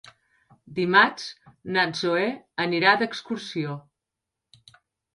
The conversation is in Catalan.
Dimarts na Zoè anirà d'excursió.